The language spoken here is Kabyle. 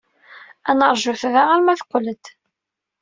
Ad neṛjut da arma teqqel-d.